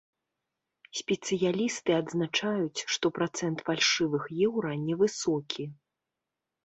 Спецыялісты адзначаюць, што працэнт фальшывых еўра не высокі.